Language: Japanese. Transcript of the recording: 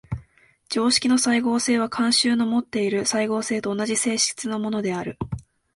常識の斉合性は慣習のもっている斉合性と同じ性質のものである。